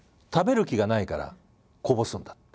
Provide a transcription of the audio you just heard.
「食べる気がないからこぼすんだ」